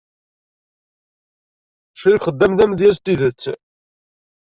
Ccrif Xeddam d amedyaz n tidet.